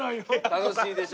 楽しいでしょ？